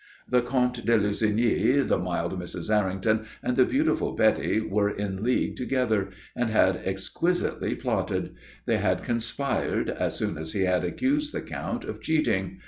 The Comte de Lussigny, the mild Mrs. Errington and the beautiful Betty were in league together and had exquisitely plotted. They had conspired, as soon as he had accused the Count of cheating.